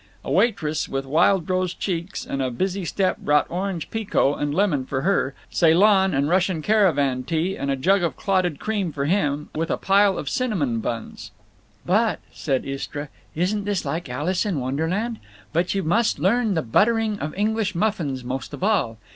A waitress with wild rose cheeks and a busy step brought Orange Pekoe and lemon for her, Ceylon and Russian Caravan tea and a jug of clotted cream for him, with a pile of cinnamon buns. "But—" said Istra. "Isn't this like Alice in Wonderland! But you must learn the buttering of English muffins most of all.